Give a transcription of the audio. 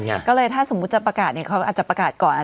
ก็เลยถ้าสมมุติจะประกาศเขาอาจจะประกาศก่อน